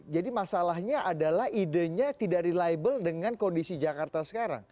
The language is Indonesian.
jadi masalahnya adalah idenya tidak reliable dengan kondisi jakarta sekarang